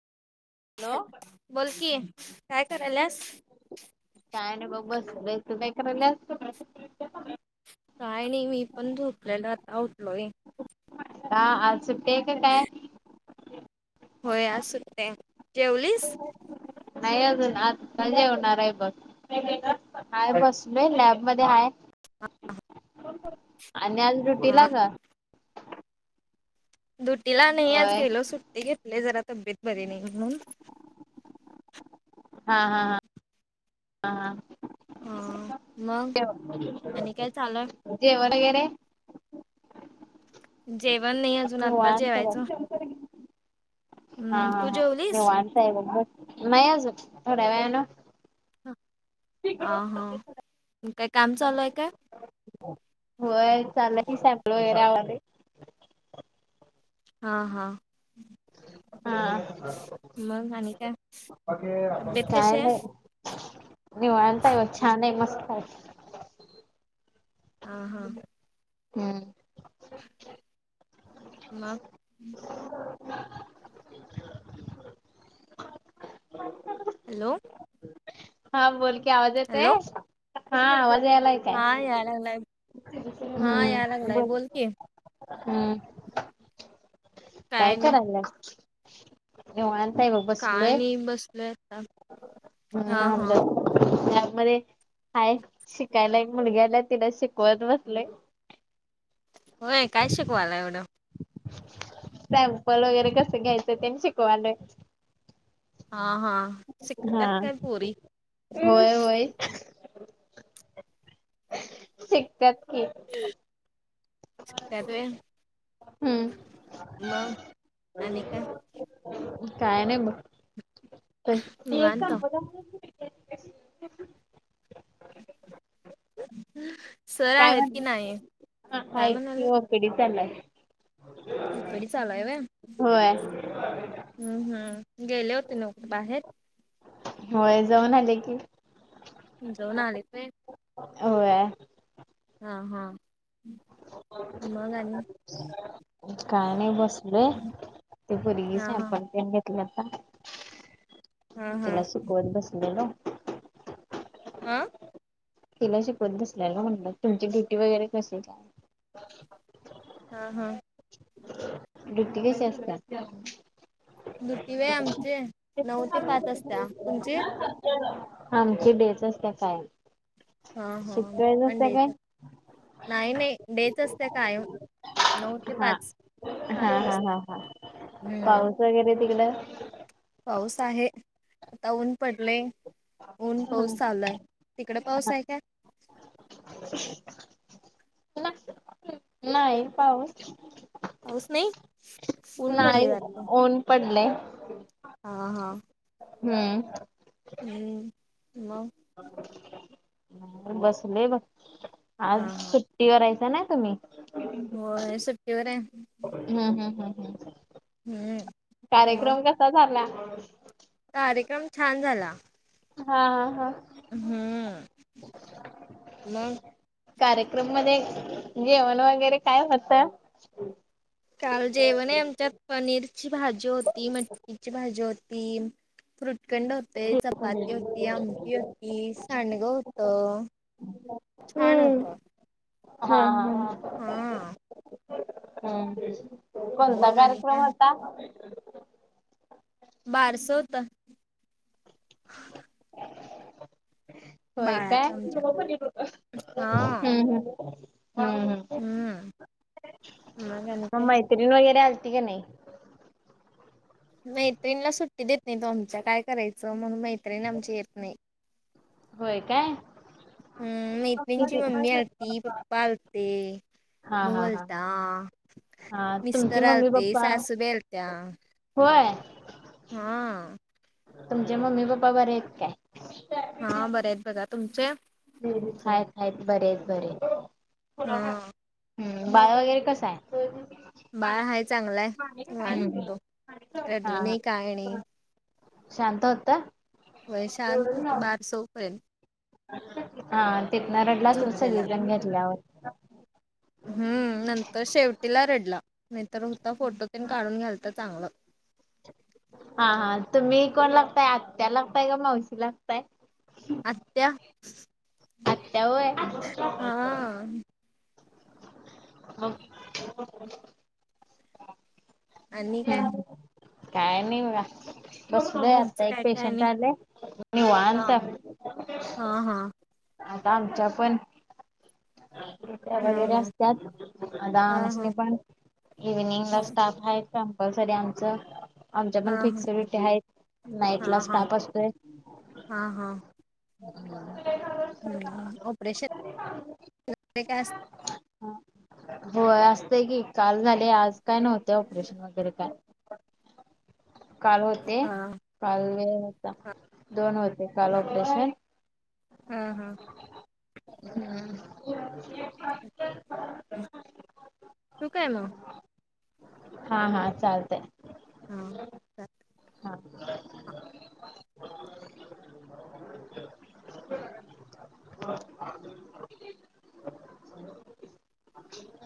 Hello बोल की काय करायल्यास? काय नाही बघ बसलोय, तू काय करायल्यास? काय नाही मी पण झोपल्यालो आत्ता उठलोय. हा आज सुट्टी आहे का काय? होय आज सुट्टी हाय, जेवलीस? नाही अजून आता जेवणार आहे बघ. हाय बसलोय लॅब मधे हाय. आणि आज ड्युटी हा. ला ग? ड्युटीला नाही आज होय गेलो सुट्टी घेतली जरा तब्येत बरी नाही म्हणून. हा हा हा हा हा. हा मग जेव आणि काय चालू हाय? जेवण वगैरे. जेवण नाही अजून आत्ता निवांत जेवायचं. बघ हा हम्म हा तू हा जेवलीस? निवांत हाय बघ नाही अजून थोड्या वेळानं. हा हा हा म काय काम चालूय काय? होय चाल की सँपल वगैरे आवाले. हां हां. हा मग आणि का तब्येत कशी काय आहे? नाही निवांत हाय बघ छाने, मस्त हाय. हा हां. हम्म. मग. हॅलो. हा बोल की आवाज येतय हॅलो हा आवाज यायला हा याय लागलाय हा याय लागलाय बोल की. हम्म. काय करायलाय निवांत आहे ब काय बसलोय. नाही बसलोय आत्ता. हम आमच्या लॅब मधे हाय शिकायला एक मुलगी आल्या तिला शिकवत बसलोय. होय काय शिकवालाय एवढं? सॅम्पल वगैरे कसं घ्यायचं तेन शिकवालोय. हां हां. हा होय होय. शिकत्यात की. शिकत्यात व्हय. हम्म मग आणि काय? काय नाही बघ. निवांत सर काय आहेत की नाही. कधी चाललाय. ओपीडी चालू हाय व्हय हम्म हम्म गेले होते ना कुठे बाहेर. होय जाऊन आले की. जाऊन आलेतय होय. होय. हा हा, मग मगणी. काय नाही बसलय ती पोरगी हा हा सॅम्पल तेन घेत. तलाता हा हा तिला शिकवत बसलेल. ''आं'' तिला शिकवत नसल्या ना म्हण तुमची ड्युटी वगैरे कसे काय. हा हा, ड्युटी कशी असतात. ड्युटी व आमचे नऊ ते पाच वाजता तुमची. आमची बचच आत्या कायम. हा हा, शिकवायच पण असत्या काय डेच नाही नाही डेच असत्या काय. नऊ ते हा पाच काय हा हा असत्या. हा हा पाऊस वगैरे तिकडं पाऊस आहे आता ऊन पडले. ऊन पाऊस चाललाय तिकडे पाऊस आहे काय. नाही पाऊस. पाऊस नाही. ऊन नाही पडले वाटतं ऊन पडले. हा हा, हम्म. हम्म मग. बसलोय बघ. हा हा होय सुट्टेवर आहे. हम हम हम हम्म मग कार्यक्रम कसा झाला. कार्यक्रम छान झाला. हा हा हा, हम मग. कार्यक्रम मध्ये जेवण वगैरे काय होत. काल जेवण आहे आमच्यात पनीरची भाजी होती मटठीची भाजी होती. फ्रुट. चखंड होते चपाती होती आमठी होती सांडगं होत. छान होत. हा हा हा, हा आ. हम् कोणता मग आणि कार्यक्रम काय होता. बारस होत. होय काय बाळाचं आमच्या हम् हम् हम हम. हम मग आणि काय. तीरण वगैरे आलती का नाही. मैत्रीिणीला सुट्टी देत नाही तो आमच्या काय करायचं म्हणून मैत्रीणी आमची येत नाही. होय काय हम् मैतिणची किती हा मम्मी अती पप्प''--'' चालते हा हा बोलता हा हा तुमची मिस्टर मम्मी आलते पप्पा सासूबाई अलत्या होय. हा तुमचे मम्मी पप्पा बरे येत काय? हा बरे येत बघा तुमचे हूं हूं हायत हायत बरेयेत बरेयेत. हा हम्म बाळ वगैरे कसाय? बाळ हाय चांगलाय निवांत रडल हा हा नाही काय नी शांत होता. व्हय शांत होत बारस होऊ पर्यंत हा तितंना रडला असलं झोपलेला सगळीजण घेतल्यावर हम्म नंतर शेवटीला रडला नाय तर होता फोटो तेन काढून घ्यालत चांगलं. हा हा तुम्ही कोण लागताय आत्या लागताय का मावशी लागताय. आत्या त्या होय. हा [inaudible] आणि काय हम् काय नाही बघा बसलोय तुमचं आता एक काय काय पेशंट आणि आलाय, हा निवांत आपलं हा हा आता आमच्या पण हा [unintelligible] हा असत्यात आता हा आमचीनी हा पण इव्हीनिंगला स्टाफ हाय कम प्लसरी आमच आमच्या हा पण फिक्स ड्युटी हायेत नाईट ला हा हा स्टाफ असतोय. हा हा [inaudible] हूं हूं ऑपरेशन [inaudible] काय अस होय असतय की काल झाले आज काय नव्हते ऑपरेशन वगैरे काय काल होते. हा काल वेळ होता. हा दोन होते काल ऑपरेशन हा हा हम्म [unintelligible] ठेवू काय म हा हा चालतय हा हा